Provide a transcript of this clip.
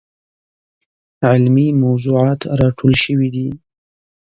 علمي موضوعات راټول شوي دي.